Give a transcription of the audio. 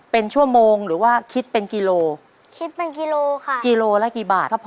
เป็นชั่วโมงหรือว่าคิดเป็นกิโลคิดเป็นกิโลค่ะกิโลละกี่บาทครับพ่อ